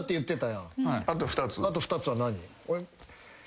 あと２つは何？